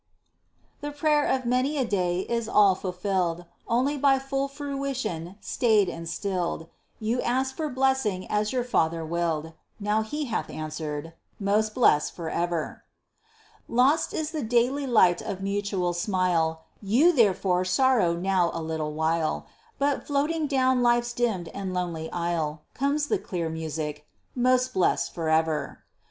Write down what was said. _) The prayer of many a day is all fulfilled, Only by full fruition stayed and stilled; You asked for blessing as your Father willed, Now He hath answered: 'Most blessed for ever!' Lost is the daily light of mutual smile, You therefore sorrow now a little while; But floating down life's dimmed and lonely aisle Comes the clear music: 'Most blessed for ever!'